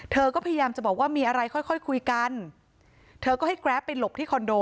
เธอก็พยายามจะบอกว่ามีอะไรค่อยค่อยคุยกันเธอก็ให้แกรปไปหลบที่คอนโด